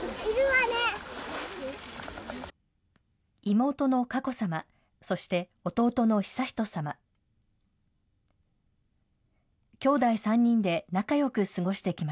妹の佳子さま、そして弟の悠仁さま。